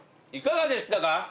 いかがでしたか？